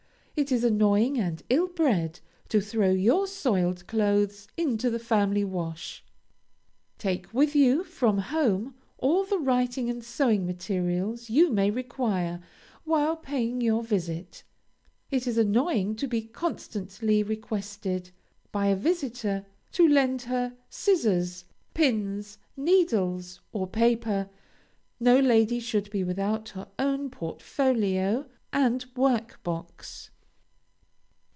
It is annoying and ill bred to throw your soiled clothes into the family wash. Take with you, from home, all the writing and sewing materials you may require while paying your visit. It is annoying to be constantly requested by a visitor to lend her scissors, pins, needles, or paper; no lady should be without her own portfolio and work box.